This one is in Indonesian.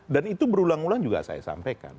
dan itu berulang ulang juga saya sampaikan